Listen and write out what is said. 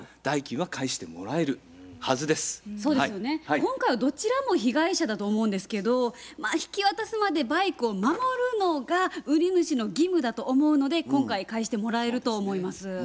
今回はどちらも被害者だと思うんですけどまあ引き渡すまでバイクを守るのが売り主の義務だと思うので今回返してもらえると思います。